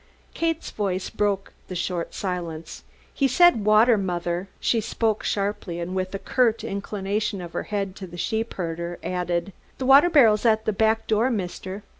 Kate's voice broke the short silence, "He said 'water,' Mother." She spoke sharply, and with a curt inclination of her head to the sheepherder added, "The water barrel's at the back door, Mister.